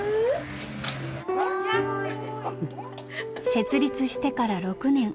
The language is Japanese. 設立してから６年。